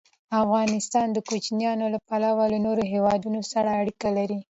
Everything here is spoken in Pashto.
افغانستان د کوچیانو له پلوه له نورو هېوادونو سره اړیکې لري.